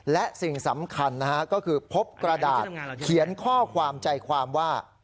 และสิ่งสำคัญนะฮะก็คือพบกระดาษเขียนข้อความใจความว่า